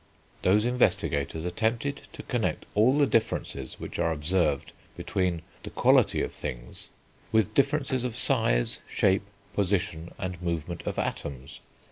Those investigators attempted to connect all the differences which are observed between the qualities of things with differences of size, shape, position, and movement of atoms.